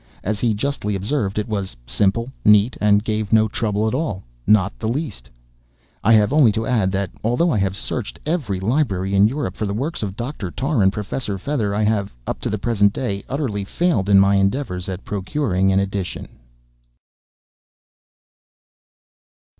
As he justly observed, it was "simple—neat—and gave no trouble at all—not the least." I have only to add that, although I have searched every library in Europe for the works of Doctor Tarr and Professor Fether, I have, up to the present day, utterly failed in my endeavors at procuring an edition.